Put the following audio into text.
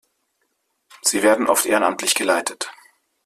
Sie werden oft ehrenamtlich geleitet.